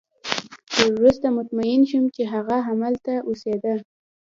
وروسته مطمئن شوم چې هغه همدلته اوسېده